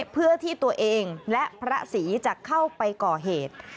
เพื่อที่ตัวเองและพระศรีจะเข้าไปก่อเหตุ